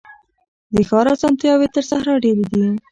د ښار اسانتیاوي تر صحرا ډیري دي.